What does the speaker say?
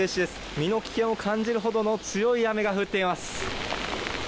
身の危険を感じるほどの強い雨が降っています。